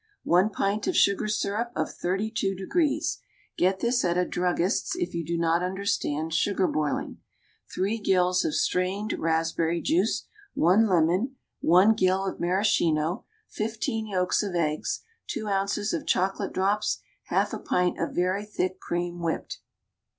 One pint of sugar syrup of 32 degrees (get this at a druggist's if you do not understand sugar boiling), three gills of strained raspberry juice, one lemon, one gill of maraschino, fifteen yolks of eggs, two ounces of chocolate drops, half a pint of very thick cream whipped.